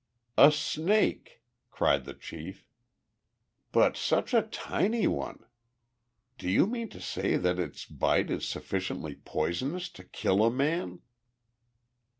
"A snake!" cried the chief. "But such a tiny one! Do you mean to say that its bite is sufficiently poisonous to kill a man?"